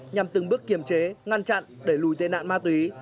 nhằm từng bước kiềm chế ngăn chặn để lùi tên nạn ma túy